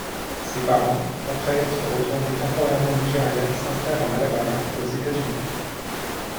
Ses parents, après être retourné temporairement au Nigeria, s'installent en Alabama, aux États-Unis.